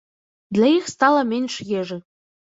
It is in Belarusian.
Для іх стала менш ежы.